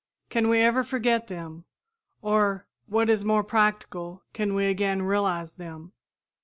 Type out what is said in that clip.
Can we ever forget them; or, what is more practical, can we again realize them?